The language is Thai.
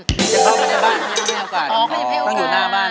นี่ที่แต่เข้ากล้องข้างหน้าบ้าน